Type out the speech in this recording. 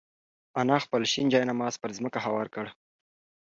انا خپل شین جاینماز پر ځمکه هوار کړ.